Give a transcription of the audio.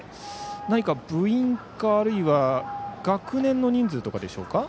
何か部員か学年の人数とかでしょうか。